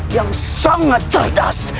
yang sangat cerdas